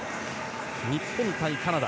日本対カナダ。